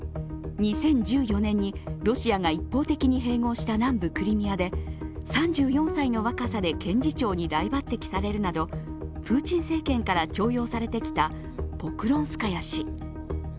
２０１４年にロシアが一方的に併合した南部クリミアで３４歳の若さで検事長に大抜てきされるなどプーチン政権から重用されてきたポクロンスカヤ氏。